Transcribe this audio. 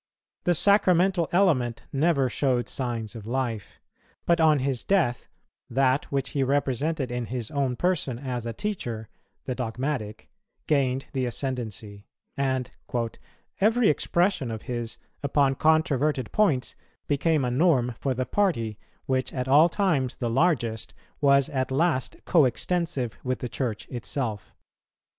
The sacramental element never showed signs of life; but on his death, that which he represented in his own person as a teacher, the dogmatic, gained the ascendancy; and "every expression of his upon controverted points became a norm for the party, which, at all times the largest, was at last coextensive with the Church itself.